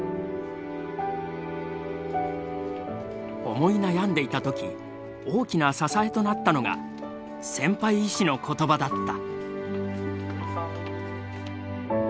思い悩んでいた時大きな支えとなったのが先輩医師の言葉だった。